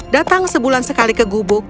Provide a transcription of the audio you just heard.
datang sebulan sekali ke gubuk